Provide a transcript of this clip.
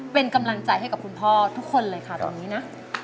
เป็นกำลังใจให้กับคุณพ่อทุกคนเลยค่ะตอนนี้นะ